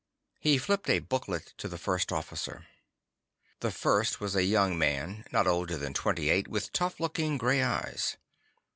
He flipped a booklet to the First Officer. The First was a young man, not older than twenty eight with tough looking gray eyes.